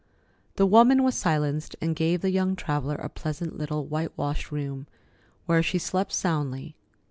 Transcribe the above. The woman was silenced, and gave the young traveller a pleasant little whitewashed room, where she slept soundly.